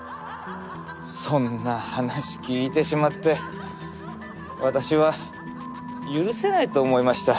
そんな話聞いてしまって私は許せないと思いました。